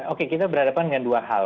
oke kita berhadapan dengan dua hal